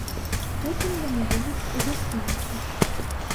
Потым яны едуць у гасцініцу.